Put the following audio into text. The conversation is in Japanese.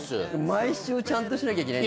毎週ちゃんとしなきゃいけない。